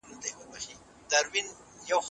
څوک غواړي تړون په بشپړ ډول کنټرول کړي؟